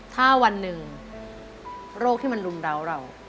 ถ้าวันหนึ่งโรคที่มันรุมร้าวเรา